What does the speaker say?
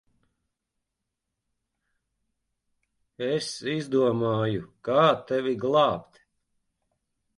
Es izdomāju, kā tevi glābt.